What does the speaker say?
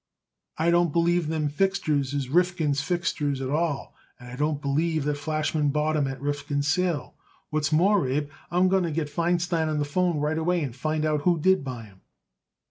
"I don't believe them fixtures is Rifkin's fixtures at all, and I don't believe that Flachsman bought 'em at Rifkin's sale. What's more, Abe, I'm going to get Feinstein on the 'phone right away and find out who did buy 'em."